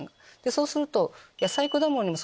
そうすると。